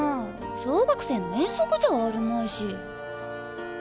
小学生の遠足じゃあるまいし。